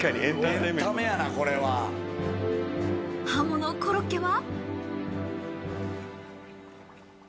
鱧のコロッケは？